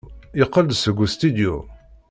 Yeqqel-d seg ustidyu.